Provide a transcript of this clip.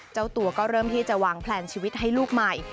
เจ้าตัวก็เริ่มที่จะวางแพลนชีวิตให้ลูกใหม่